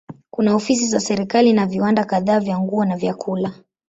Kuna ofisi za serikali na viwanda kadhaa vya nguo na vyakula.